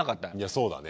そうだね。